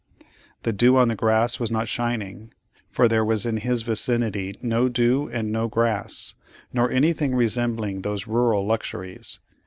The "dew on the grass" was not shining, for there was in his vicinity no dew and no grass, nor anything resembling those rural luxuries.